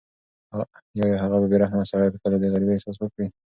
ایا هغه بې رحمه سړی به کله د غریبۍ احساس وکړي؟